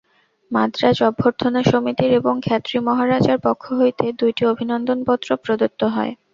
মান্দ্রাজ অভ্যর্থনা-সমিতির এবং খেতড়ি-মহারাজার পক্ষ হইতে দুইটি অভিনন্দন-পত্র প্রদত্ত হয়।